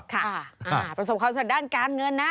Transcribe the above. ประสบความสำเร็จด้านการเงินนะ